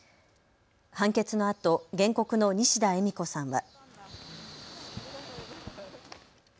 判決のあと原告の西田えみ子さんは。